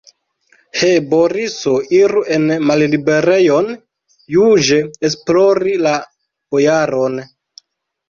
He, Boriso, iru en malliberejon juĝe esplori la bojaron!